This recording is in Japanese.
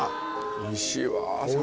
おいしいわ山椒。